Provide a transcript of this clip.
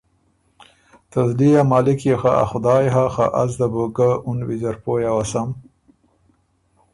ته زلی مالک يې خه ا خدایٛ هۀ خه از ده بو ګه اُن ویزر پویٛ اوسم